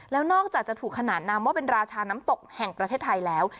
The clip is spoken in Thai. แล้วนอกจากจะถูกขนานนามว่าเป็นราชาน้ำตกแห่งประเทศไทยแล้ว